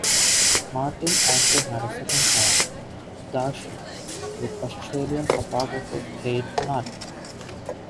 Martin also has a second child, "Darshan", with Australian photographer Kate Nutt.